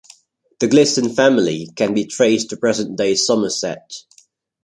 The Glisson family can be traced to present-day Somerset.